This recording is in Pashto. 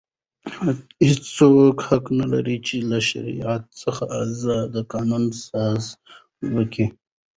هیڅوک حق نه لري، چي له شریعت څخه ازاد قانون سازي وکي.